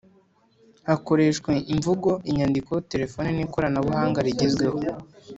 Hakoreshwa imvugo, inyandiko, terefoni nikoranabuhanga rigezweho